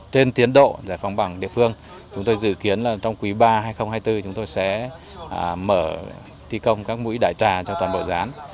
trên tiến độ giải phóng bằng địa phương chúng tôi dự kiến trong quý ba hai nghìn hai mươi bốn chúng tôi sẽ mở thi công các mũi đải trà cho toàn bộ dự án